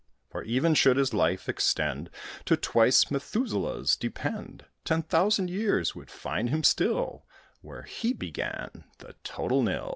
For, even should his life extend To twice Methuselah's, depend Ten thousand years would find him still Where he began the total nil.